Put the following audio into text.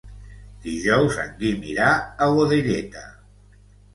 Dijous en Guim irà a Godelleta.